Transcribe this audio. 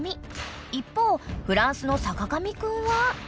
［一方フランスの坂上くんは］